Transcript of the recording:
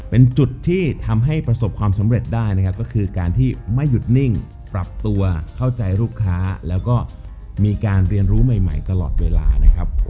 เป็นจุดที่ทำให้ประสบความสำเร็จได้นะครับก็คือการที่ไม่หยุดนิ่งปรับตัวเข้าใจลูกค้าแล้วก็มีการเรียนรู้ใหม่ตลอดเวลานะครับ